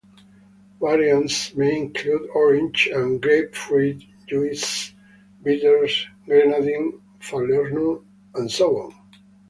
Variants may include orange and grapefruit juices, bitters, grenadine, falernum, and so on.